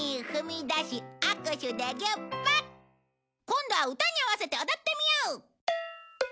今度は歌に合わせて踊ってみよう！